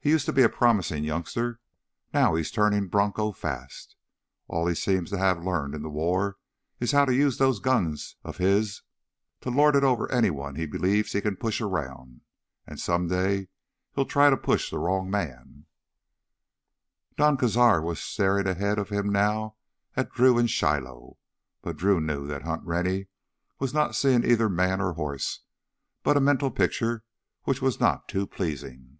He used to be a promising youngster; now he's turning bronco fast. All he seems to have learned in the war is how to use those guns of his to lord it over anyone he believes he can push around. And someday he'll try to push the wrong man—" Don Cazar was staring ahead of him now at Drew and Shiloh. But Drew knew that Hunt Rennie was not seeing either man or horse, but a mental picture which was not too pleasing.